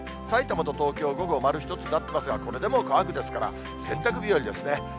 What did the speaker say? さいたまと東京、午後、丸１つになってますが、これでも乾くですから、洗濯日和ですね。